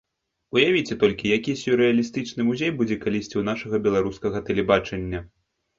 Уявіце толькі, які сюррэалістычны музей будзе калісьці ў нашага беларускага тэлебачання!